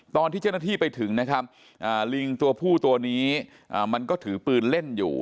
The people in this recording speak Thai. ตอนที่เจ้าหน้าที่ไปถึงนะครับลิงตัวผู้ตัวนี้มันก็ถือปืนเล่นอยู่